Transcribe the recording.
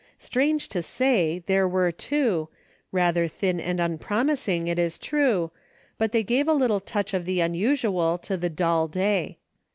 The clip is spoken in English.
Strange to say, there were two, rather thin and unpromising it is true, but they gave a little touch of the unus ual to the dull day.